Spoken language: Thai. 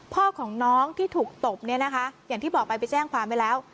พ่อของน้องที่ถูกตบอย่างที่บอกไปไปแจ้งความเอาไว้แล้ว